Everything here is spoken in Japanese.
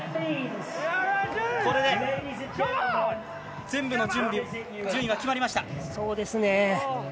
これで、全部の順位は決まりました。